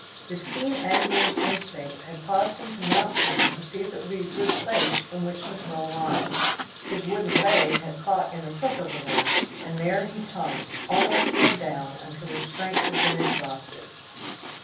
His keen angler's instinct had caused him to mount the limb to see if it would be a good place from which to throw a line; his wooden leg had caught in the crook of the limb, and there he hung, almost head down, until his strength had been exhausted.